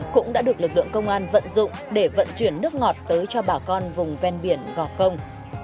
cũng đã được lực lượng công an vận dụng để vận chuyển nước ngọt tới cho bà con vùng ven biển gọt công